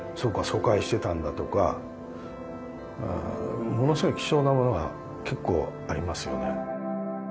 疎開してたんだ」とかものすごい貴重なものが結構ありますよね。